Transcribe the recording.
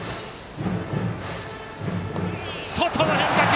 外の変化球！